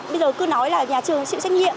bây giờ cứ nói là nhà trường chịu trách nhiệm